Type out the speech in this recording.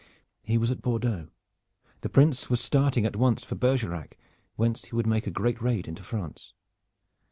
He was at Bordeaux. The Prince was starting at once for Bergerac, whence he would make a great raid into France.